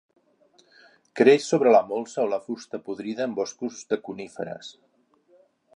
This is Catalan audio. Creix sobre la molsa o la fusta podrida en boscos de coníferes.